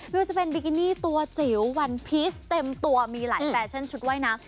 ว่าจะเป็นบิกินี่ตัวจิ๋ววันพีชเต็มตัวมีหลายแฟชั่นชุดว่ายน้ำ